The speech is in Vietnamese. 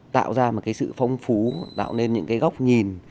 tạo ra một sự phong phú tạo nên những góc nhìn